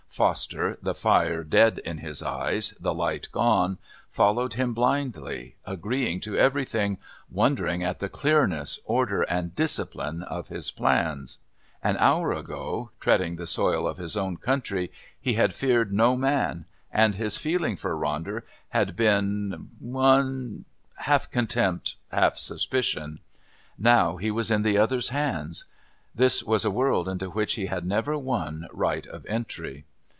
Foster, the fire dead in his eyes, the light gone, followed him blindly, agreeing to everything, wondering at the clearness, order and discipline of his plans. An hour ago, treading the soil of his own country, he had feared no man, and his feeling for Ronder had been one half contempt, half suspicion. Now he was in the other's hands. This was a world into which he had never won right of entry.